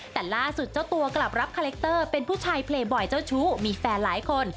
แต่ล่าสุดเจ้าตัวกลับรับคาแรคเตอร์เป็นผู้ชายเพลย์บ่อยเจ้าชู้มีแฟนหลายคน